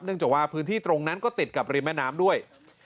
จากว่าพื้นที่ตรงนั้นก็ติดกับริมแม่น้ำด้วย